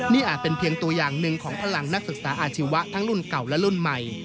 นี่อาจเป็นเพียงตัวอย่างหนึ่งของพลังนักศึกษาอาชีวะทั้งรุ่นเก่าและรุ่นใหม่